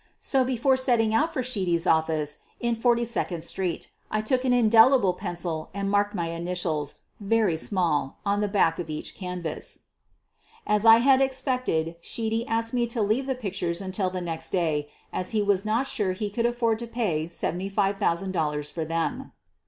So, before setting out for Sheedy 's office in Forty second Street, I took an indelible pencil and marked my initials, very small, on the back of each canva3. QUEEN OF THE BURGLARS 55 As I had expected, Slieedy asked me to leave the pictures until the next day as he was not sure he could afford to pay $75,000 for them.